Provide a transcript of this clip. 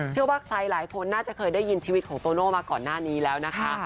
เชื่อว่าใครหลายคนน่าจะเคยได้ยินชีวิตของโตโน่มาก่อนหน้านี้แล้วนะคะ